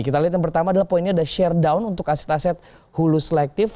kita lihat yang pertama adalah poinnya ada share down untuk aset aset hulus selektif